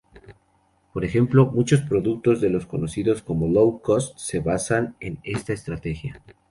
Por ejemplo, muchos productos de los conocidos como "Low-cost" se basan en esta estrategia.